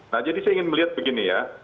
nah jadi saya ingin melihat begini ya